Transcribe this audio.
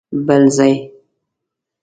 بل ځای؟!